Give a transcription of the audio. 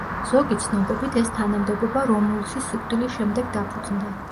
ზოგი ცნობებით ეს თანამდებობა რომულუსის სიკვდილის შემდეგ დაფუძნდა.